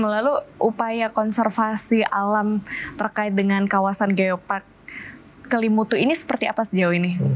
lalu upaya konservasi alam terkait dengan kawasan geopark kelimutu ini seperti apa sejauh ini